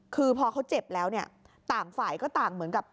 คือพอเขาเจ็บแล้วเนี่ยต่างฝ่ายก็ต่างเหมือนกับ